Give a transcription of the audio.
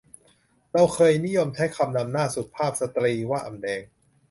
เราเคยนิยมใช้คำนำหน้าสุภาพสตรีว่าอำแดง